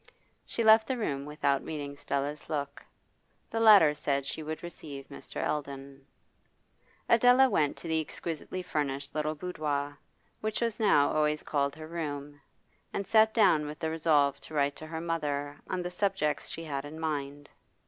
She left the room without meeting Stella's look. The latter said she would receive Mr. Eldon. Adela went to the exquisitely furnished little boudoir, which was now always called her room, and sat down with the resolve to write to her mother on the subjects she had in mind.